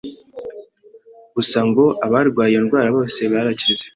gusa ngo abarwaye iyo ndwara bose barakize.